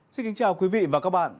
xin kính chào quý vị và các bạn